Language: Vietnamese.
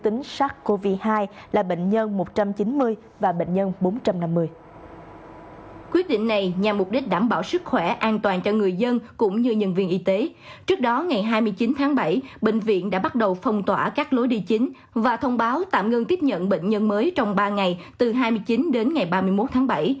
trước đó ngày hai mươi chín tháng bảy bệnh viện đã bắt đầu phong tỏa các lối đi chính và thông báo tạm ngưng tiếp nhận bệnh nhân mới trong ba ngày từ hai mươi chín đến ngày ba mươi một tháng bảy